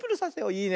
いいね。